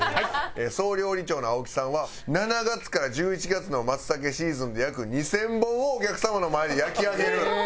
総料理長の青木さんは７月から１１月の松茸シーズンで約２０００本をお客様の前で焼き上げる。